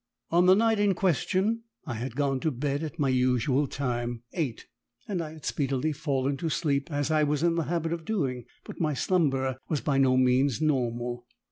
On the night in question, I had gone to bed at my usual time eight and I had speedily fallen to sleep, as I was in the habit of doing; but my slumber was by no means normal.